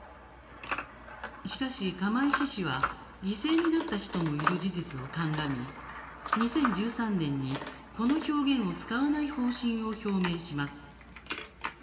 しかし、釜石市は犠牲になった人もいる事実を鑑み２０１３年に、この表現を使わない方針を表明します。